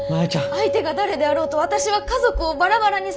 相手が誰であろうと私は家族をバラバラにされたくない。